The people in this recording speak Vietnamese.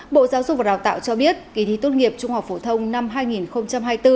bộ giáo dục và đào tạo cho biết kỳ thi tốt nghiệp trung học phổ thông năm hai nghìn hai mươi bốn